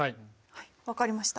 はい分かりました。